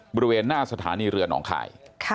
บริเวณหน้าสถานีเรือหนองคาย